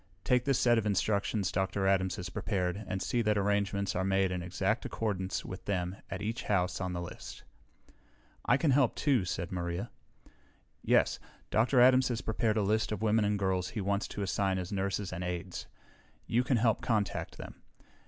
Take this set of instructions Dr. Adams has prepared and see that arrangements are made in exact accordance with them at each house on the list." "I can help, too," said Maria. "Yes. Dr. Adams has prepared a list of women and girls he wants to assign as nurses and aides. You can help contact them.